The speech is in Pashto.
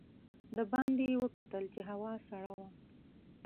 د باندې یې وکتل چې هوا سړه وه.